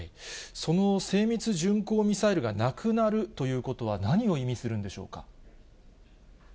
その精密巡航ミサイルがなくなるということは、何を意味するんでしょうか。